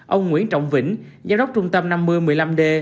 ông nguyễn trọng vĩnh giám đốc trung tâm năm mươi một mươi năm d